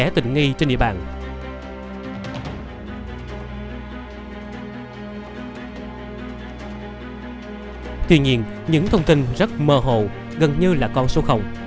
tuy nhiên những thông tin rất mơ hồ gần như là con số